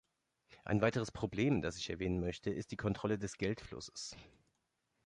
Ein weiteres Problem, das ich erwähnen möchte, ist die Kontrolle des Geldflusses.